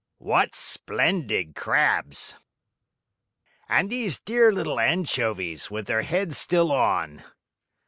"What splendid crabs!" "And these dear little anchovies, with their heads still on!"